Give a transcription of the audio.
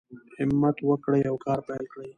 همت وکړئ او کار پیل کړئ.